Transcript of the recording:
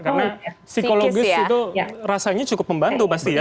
karena psikologis itu rasanya cukup membantu pasti ya